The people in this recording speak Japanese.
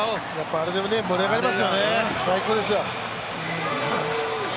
あれで盛り上がりますよね、最高ですよ。